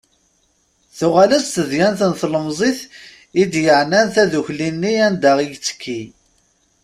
Tuɣal-as-d tedyant n tlemẓit i d-yeɛnan taddukli-nni anda i yettekki.